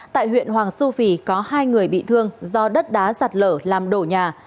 tại huyện hoàng su phi có hai người bị thương do đất đá sạt lở làm đổ nhà